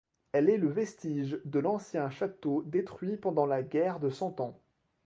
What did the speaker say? Elle est le vestige de l'ancien château détruit pendant la guerre de Cent-Ans.